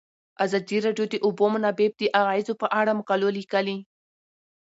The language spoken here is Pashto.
ازادي راډیو د د اوبو منابع د اغیزو په اړه مقالو لیکلي.